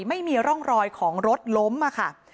ไม่มีร่องรอยของรถล้มค่ะ